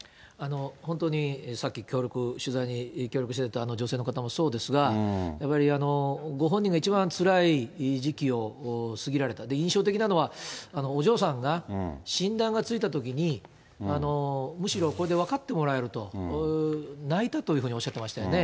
本当にさっき協力、取材に協力していただいたあの女性の方もそうですが、やっぱりご本人が一番つらい時期を過ぎられた、印象的なのは、お嬢さんが、診断がついたときに、むしろこれで分かってもらえると、泣いたというふうにおっしゃってましたよね。